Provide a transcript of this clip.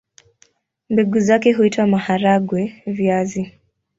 Mbegu zake huitwa maharagwe-viazi.